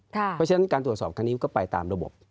เพราะฉะนั้นการตรวจสอบครั้งนี้ก็ไปตามระบบ